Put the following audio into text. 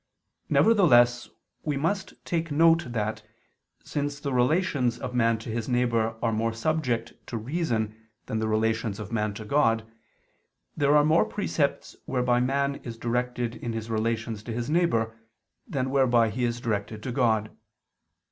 Nevertheless we must take note that, since the relations of man to his neighbor are more subject to reason than the relations of man to God, there are more precepts whereby man is directed in his relations to his neighbor, than whereby he is directed to God.